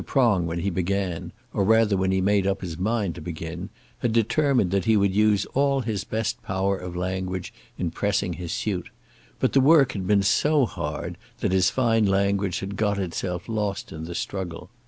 Prong when he began, or rather when he made up his mind to begin, had determined that he would use all his best power of language in pressing his suit; but the work had been so hard that his fine language had got itself lost in the struggle.